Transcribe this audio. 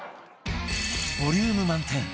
ボリューム満点